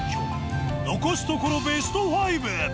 残すところベスト５。